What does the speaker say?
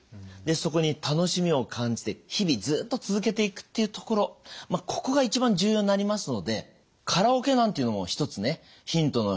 そこに楽しみを感じて日々ずっと続けていくっていうところここが一番重要になりますのでカラオケなんていうのもひとつねヒントの一つかなと思うんですね。